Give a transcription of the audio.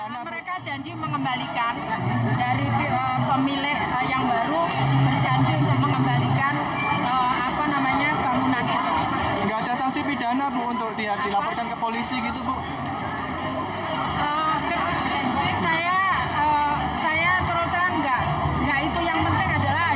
mereka janji mengembalikan dari pemilih yang baru bersanji untuk mengembalikan bangunan itu